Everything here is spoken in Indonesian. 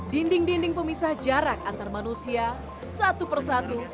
dinding dinding pemisah jarak antar manusia satu persatu